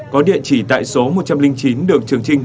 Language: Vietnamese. có địa chỉ tại số một trăm linh chín đường trường trinh